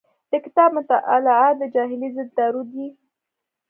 د کتاب مطالعه د جاهلۍ ضد دارو دی.